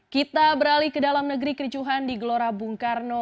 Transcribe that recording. kita beralih ke dalam negeri kericuhan di gelora bung karno